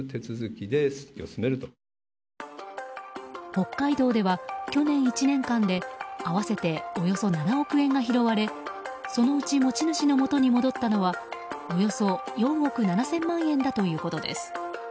北海道では去年１年間で合わせておよそ７億円が拾われそのうち持ち主のもとに戻ったのはおよそ４億７０００万円だということです。